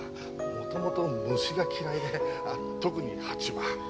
もともと虫が嫌いで特に蜂は。